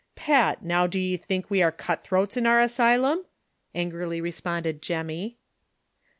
"Pat, now do ye think we are cut throats in our asy lum?" angrily responded Jemmy.